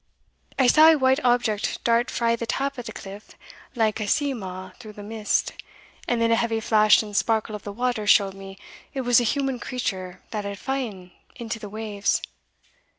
I saw a white object dart frae the tap o' the cliff like a sea maw through the mist, and then a heavy flash and sparkle of the waters showed me it was a human creature that had fa'en into the waves.